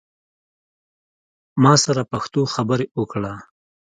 ما سره پښتو خبری اوکړه